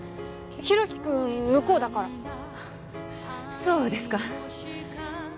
大樹君向こうだからそうですか